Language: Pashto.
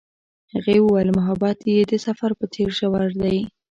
هغې وویل محبت یې د سفر په څېر ژور دی.